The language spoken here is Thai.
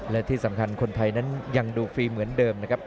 และที่สำคัญคนไทยนั้นยังดูฟรีเหมือนเดิมนะครับ